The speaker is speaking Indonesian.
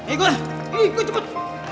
ikut ikut cepet